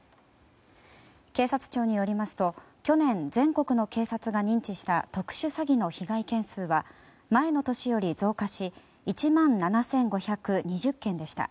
警察庁によりますと去年、全国の警察が認知した特殊詐欺の被害件数は前の年より増加し１万７５２０件でした。